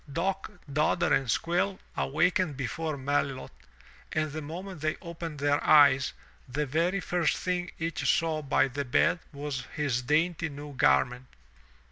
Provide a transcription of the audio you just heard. Dock, Dodder and Squill awakened before Melilot and the moment they opened their eyes, the very first thing each saw by the bed was his dainty new garment.